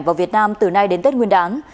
vào việt nam từ nay đến tết nguyên đán